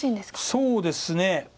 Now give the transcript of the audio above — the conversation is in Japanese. そうですね。